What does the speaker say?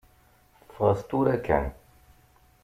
Ffɣet tura kan.